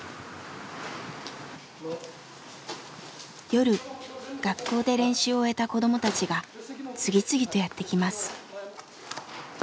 夜学校で練習を終えた子供たちが次々とやって来ます。